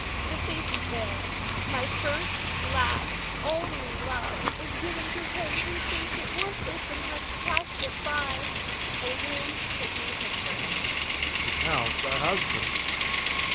The face is there; my first, last, only love is given to him who thinks it worthless and hath cast it by. Adrian [taking the picture]. 'Tis the Count, thy husband.